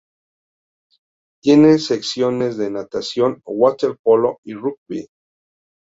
Tiene secciones de natación, waterpolo y rugby.